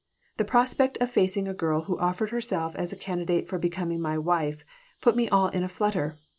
The prospect of facing a girl who offered herself as a candidate for becoming my wife put me all in a flutter.